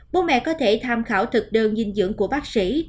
bố mẹ có thể tham khảo thực đơn dinh dưỡng của bác sĩ